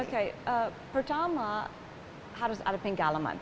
oke pertama harus ada penggalaman